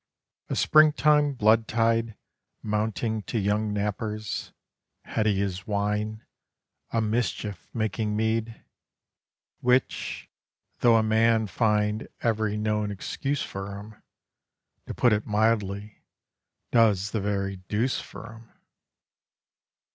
A spring time blood tide, mounting to young nappers, Heady as wine, a mischief making mead, Which though a man find every known excuse for 'em To put it mildly, does the very deuce for 'em.